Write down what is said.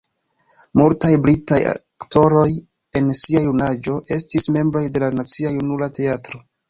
Multaj britaj aktoroj en sia junaĝo estis membroj de la Nacia Junula Teatro.